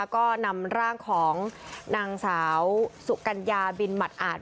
ก็นำร่างของนางสาวสุกัญญาบินหมัดอาจ